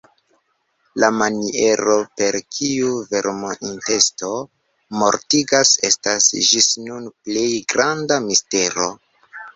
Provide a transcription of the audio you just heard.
La maniero, per kiu "vermo-intesto" mortigas, estas ĝis nun plej granda mistero.